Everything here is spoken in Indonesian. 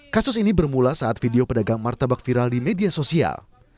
kasus ini bermula saat video pedagang martabak viral di media sosial